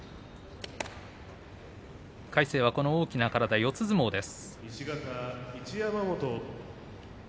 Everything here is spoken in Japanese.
魁聖はこの大きな体で四つ相撲です。